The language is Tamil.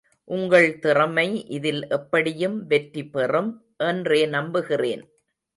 உங்கள் திறமை இதில் எப்படியும் வெற்றி பெறும் என்றே நம்புகிறேன்.